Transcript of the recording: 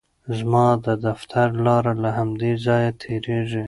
زما د دفتر لاره له همدې ځایه تېریږي.